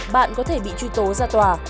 bạn có thể bị truy tố ra tòa